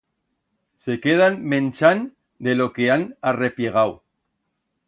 Se quedan menchand de lo que han arrepllegau.